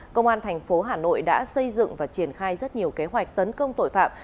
công an thành phố hà nội đã xây dựng và triển khai rất nhiều kế hoạch tấn công tội phạm